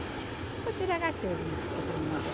こちらが中火にかけたものです。